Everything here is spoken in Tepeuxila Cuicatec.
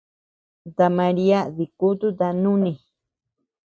Ta Maria dikututa nuni.